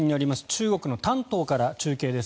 中国の丹東から中継です。